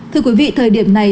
thưa quý vị thời điểm này